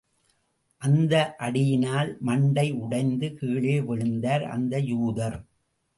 அந்த அடியினால் மண்டை உடைந்து கீழே விழுந்தார் அந்த யூதர்.